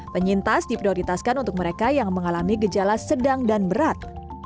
penyintas diprioritaskan untuk mereka yang mengalami gejala sedang dan berat